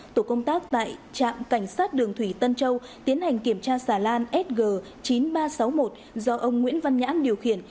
tổ công tác tại trạm cảnh sát đường thủy tân châu tiến hành kiểm tra xà lan sg chín nghìn ba trăm sáu mươi một do ông nguyễn văn nhãn điều khiển